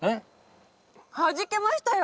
はじけましたよ。